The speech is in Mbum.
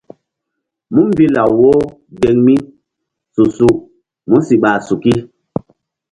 Múmbi law wo geŋ mi su-su músi ɓa suki.